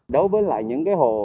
đối với lại những cái hồ